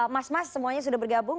mas mas semuanya sudah bergabung